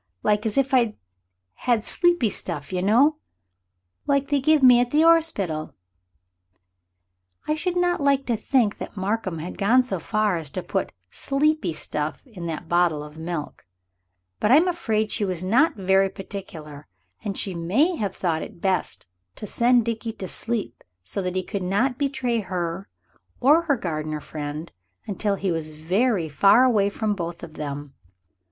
Like as if I'd had sleepy stuff you know. Like they give me at the orspittle." I should not like to think that Markham had gone so far as to put "sleepy stuff" in that bottle of milk; but I am afraid she was not very particular, and she may have thought it best to send Dickie to sleep so that he could not betray her or her gardener friend until he was very far away from both of them.